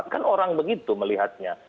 kan orang begitu melihatnya